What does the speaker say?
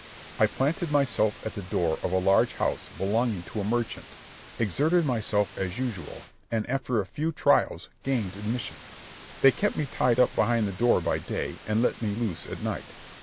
I planted myself at the door of a large house belonging to a merchant, exerted myself as usual, and after a few trials gained admission. They kept me tied up behind the door by day, and let me loose at night.